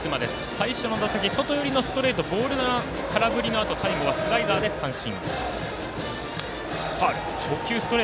最初の打席、外寄りのストレートボール球空振りのあと最後はスライダーで三振。